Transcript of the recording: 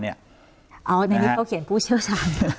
อันนี้เขาเขียนผู้เชี่ยวชาญ